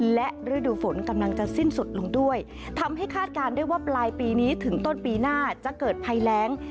และฤดูฝนกำลังจะสิ้นสุดลงด้วยทำให้คาดการณ์ได้ว่าปลายปีนี้ถึงต้นปีหน้าจะเกิดภัยแรง